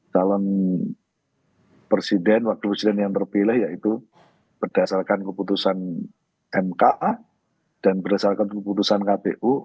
calon presiden wakil presiden yang terpilih yaitu berdasarkan keputusan mk dan berdasarkan keputusan kpu